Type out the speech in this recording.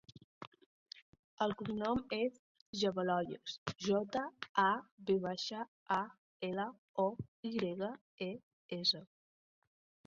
El cognom és Javaloyes: jota, a, ve baixa, a, ela, o, i grega, e, essa.